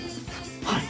はい！